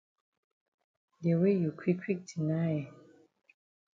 De way you quick quick deny eh.